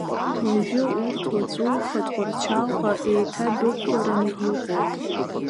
Уажәы урҭ уаҵәуха Тҟәарчалҟа еиҭадәықәлараны иҟоуп.